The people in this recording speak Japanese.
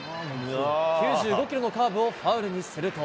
９５キロのカーブをファウルにすると。